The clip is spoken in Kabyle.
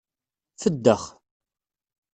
Feddex.